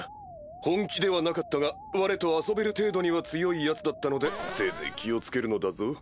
本気ではなかったがわれと遊べる程度には強いヤツだったのでせいぜい気を付けるのだぞ。